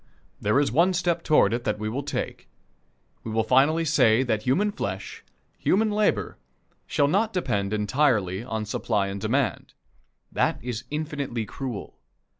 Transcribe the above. There is one step toward it that we will take: we will finally say that human flesh, human labor, shall not depend entirely on "supply and demand." That is infinitely cruel.